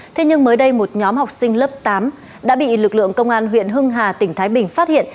thế nhưng mới đây một nhóm học sinh lớp tám đã bị lực lượng công an huyện hưng hà tỉnh thái bình phát hiện